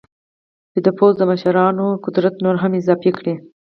چې د پوځ د مشرانو قدرت نور هم اضافه کړي.